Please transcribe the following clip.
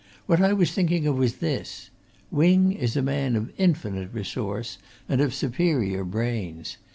What I was thinking of was this Wing is a man of infinite resource and of superior brains.